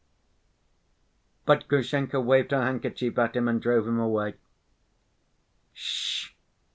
But Grushenka waved her handkerchief at him and drove him away. "Sh‐h!